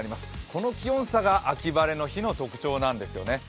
この気温差が秋晴れの日の特徴なんですよね。